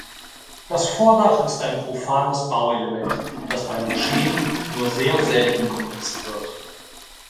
Das Vordach ist ein profanes Bauelement, das bei Moscheen nur sehr selten genutzt wird.